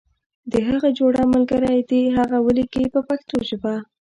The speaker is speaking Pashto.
د هغه جوړه ملګری دې هغه ولیکي په پښتو ژبه.